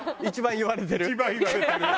一番言われてる。